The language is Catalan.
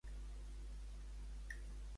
Havia crescut la Loreto?